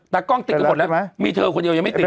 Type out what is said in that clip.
แต่กล้องติดกันหมดแล้วมีเธอคนเดียวยังไม่ติด